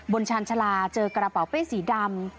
ชาญชาลาเจอกระเป๋าเป้สีดำ